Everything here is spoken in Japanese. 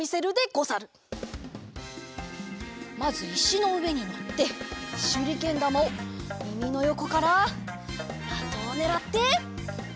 まずいしのうえにのってしゅりけんだまをみみのよこからまとをねらってはっ！